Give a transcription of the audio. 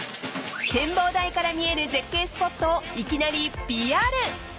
［展望台から見える絶景スポットをいきなりＰＲ］